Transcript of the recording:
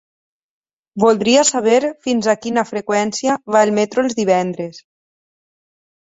Voldria saber fins a quina freqüència va el metro els divendres?